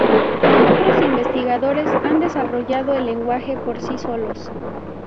Otros investigadores han desarrollado el lenguaje por sí solos.